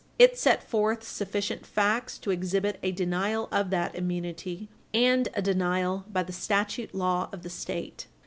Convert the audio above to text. It set forth sufficient facts to exhibit a denial of that immunity, and a denial by the statute law of the State.